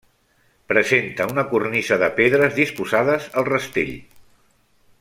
Presenta una cornisa de pedres disposades al rastell.